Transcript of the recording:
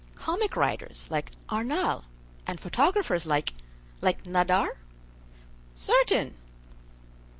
"Comic writers like Arnal, and photographers like—like Nadar?" "Certain."